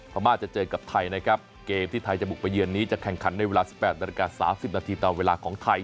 พม่าจะเจอกับไทยนะครับเกมที่ไทยจะบุกไปเยือนนี้จะแข่งขันในเวลา๑๘นาฬิกา๓๐นาทีตามเวลาของไทย